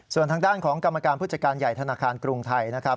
ส่วนทางด้านของกรรมการผู้จัดการใหญ่ธนาคารกรุงไทยนะครับ